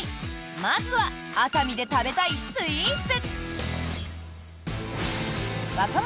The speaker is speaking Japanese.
まずは熱海で食べたいスイーツ。